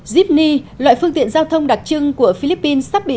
zipni loại phương tiện giao thông đặc trưng của philippines